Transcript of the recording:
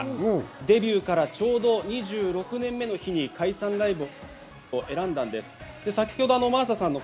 デビューからちょうど２６年目の日に解散ライブを選んだんです。